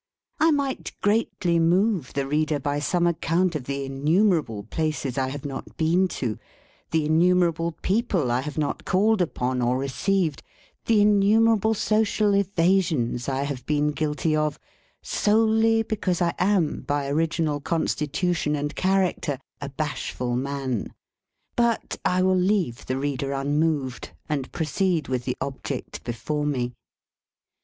I might greatly move the reader by some account of the innumerable places I have not been to, the innumerable people I have not called upon or received, the innumerable social evasions I have been guilty of, solely because I am by original constitution and character a bashful man. But I will leave the reader unmoved, and proceed with the object before me.